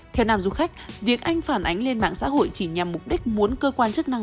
theo nam du khách việc anh phản ánh lên mạng xã hội chỉ nhằm mục đích muốn cơ quan chức năng